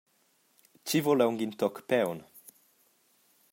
Tgi vul aunc in toc paun?